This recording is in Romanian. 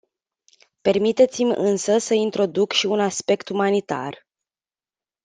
Permiteți-mi însă să introduc și un aspect umanitar.